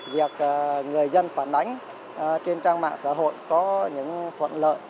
việc người dân phản ánh trên trang mạng xã hội có những thuận lợi